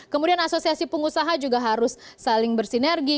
kemudian asosiasi pengusaha juga harus saling bersinergi